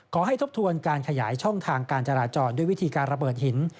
ทบทวนการขยายช่องทางการจราจรด้วยวิธีการระเบิดหิน